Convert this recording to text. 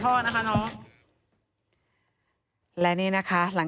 พบหน้าลูกแบบเป็นร่างไร้วิญญาณ